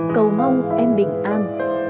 cầu mong em bình an